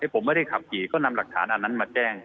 ผมไม่ได้ขับขี่ก็นำหลักฐานอันนั้นมาแจ้ง